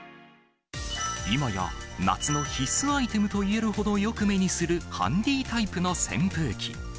今や、夏の必須アイテムといえるほどよく目にするハンディタイプの扇風機。